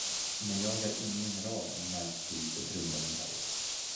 Men jag är ingen general, min näsvise Drummelberg.